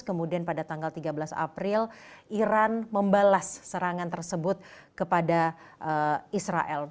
kemudian pada tanggal tiga belas april iran membalas serangan tersebut kepada israel